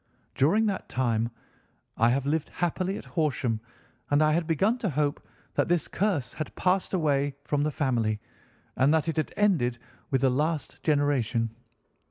During that time I have lived happily at Horsham, and I had begun to hope that this curse had passed away from the family, and that it had ended with the last generation.